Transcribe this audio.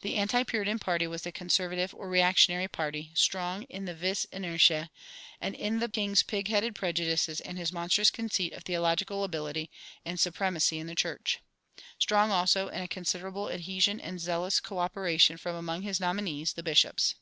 The anti Puritan party was the conservative or reactionary party, strong in the vis inertiæ, and in the king's pig headed prejudices and his monstrous conceit of theological ability and supremacy in the church; strong also in a considerable adhesion and zealous coöperation from among his nominees, the bishops.